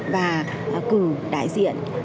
và cử đại diện